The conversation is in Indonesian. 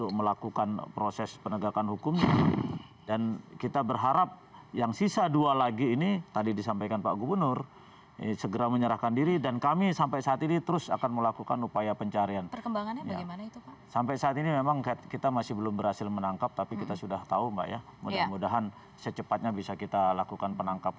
kita sama sama meningkatkan